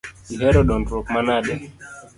Ihero dondruok manade?